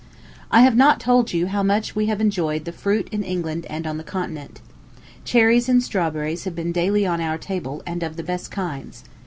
I have not told you how much we have enjoyed the fruit in England and on the continent. Cherries and strawberries have been daily on our tables, and of the best kinds.